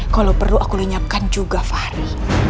kalo perlu aku lenyapkan juga fahri